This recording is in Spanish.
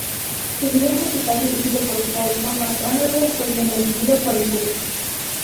Su video musical, dirigido por Paul Thomas Anderson, fue bien recibido por el público.